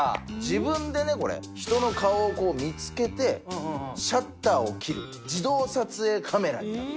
自分でねこれ人の顔をこう見つけてシャッターを切る自動撮影カメラになってる。